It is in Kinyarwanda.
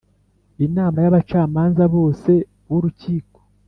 inama y abacamanza bose b Urukiko